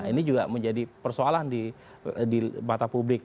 ini juga menjadi persoalan di mata publik